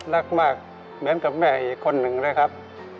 รักมากเหมือนกับแม่อีกคนหนึ่งเลยครับ